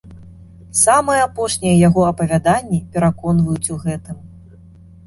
Самыя апошнія яго апавяданні пераконваюць у гэтым.